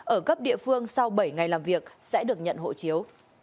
ở cấp địa phương sau bảy ngày làm việc sẽ được nhận hộ chiếu